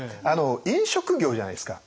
飲食業じゃないですか。